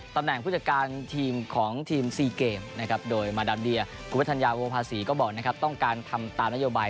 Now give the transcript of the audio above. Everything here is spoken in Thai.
ตำแหน่งผู้จัดการทีมของทีมซีเกมคุณวัฒนยาวอุปาศีก็บอกว่าต้องการทำตามนโยบาล